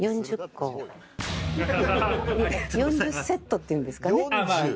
４０セットっていうんですかね。